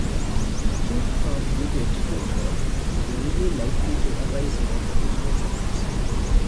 Acute harm due to exposure is only likely to arise in occupational settings.